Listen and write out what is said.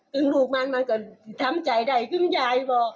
ซึ่งลูกมันมันก็ทำใจได้ถึงยายบอก